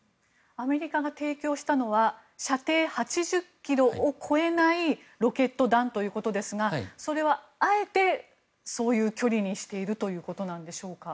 アメリカが提供したのは射程８０ｋｍを超えないロケット弾ということですがそれはあえてそういう距離にしているということなんでしょうか。